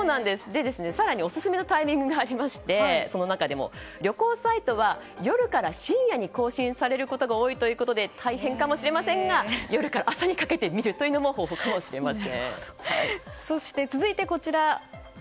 更にオススメのタイミングがありまして、その中でも旅行サイトは、夜から深夜に更新されることが多いということで大変かもしれませんが夜から朝にかけて見るというのも続いてこちら。